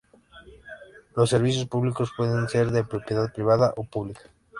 Los servicios públicos pueden ser de propiedad privada o pública.